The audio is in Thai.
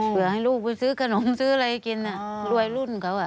เผื่อให้ลูกซื้อขนมซื้ออะไรกินน่ะรวยรุ่นเขาอ่ะ